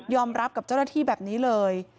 รับกับเจ้าหน้าที่แบบนี้เลย